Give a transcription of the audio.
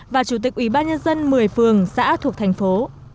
và chủ tịch ủy ban nhân dân một mươi phường xã thuộc thành phố